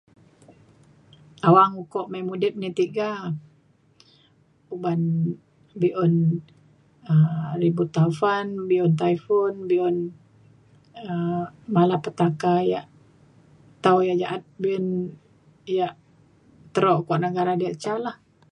awang ukok me mudip ni tiga uban be’un um ribut taufan be’un typhoon be’un um malapetaka ia’ tau ia’ ja’at be’un ia’ teruk kuak negara diak ca lah.